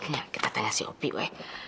nih kita tanya si opi weh